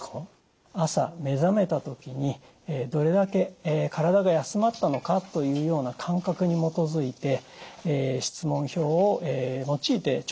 朝目覚めたときにどれだけ体が休まったのかというような感覚に基づいて質問票を用いて調査しました。